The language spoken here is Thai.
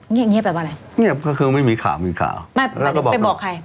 เงียบเงียบแบบอะไรเงียบก็คือไม่มีข่าวมีข่าวไม่ไม่ได้ไปบอกใคร